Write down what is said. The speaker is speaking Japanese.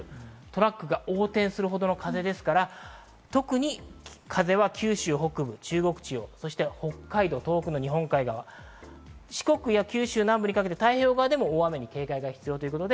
トラックが横転するほどの風ですから特に風は九州北部、中国地方、北海道、東北の日本海側、四国や九州南部にかけては太平洋側には大雨に警戒が必要。